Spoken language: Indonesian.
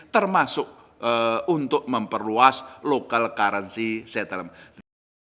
termasuk untuk memperluas local currency settlement